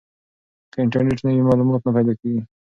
که انټرنیټ نه وي معلومات نه پیدا کیږي.